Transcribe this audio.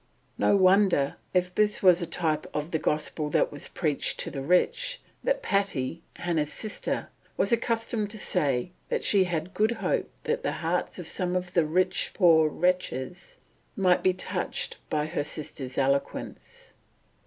No wonder, if this was a type of the Gospel that was preached to the rich, that Patty, Hannah's sister, was accustomed to say that she had good hope that the hearts of some of the "rich poor wretches" might be touched by her sister's eloquence.